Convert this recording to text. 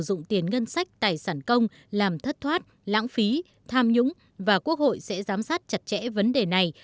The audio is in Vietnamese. ủng tiến ngân sách tài sản công làm thất thoát lãng phí tham nhũng và quốc hội sẽ giám sát chặt chẽ vấn đề này